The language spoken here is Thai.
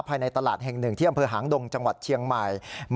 ภายในตลาดแห่งหนึ่งที่อำเภอหางดงจังหวัดเชียงใหม่